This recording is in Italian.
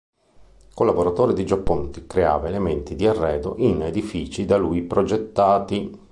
Collaboratore di Gio Ponti, creava elementi di arredo in edifici da lui progettati.